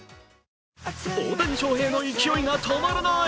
大谷翔平の勢いが止まらない。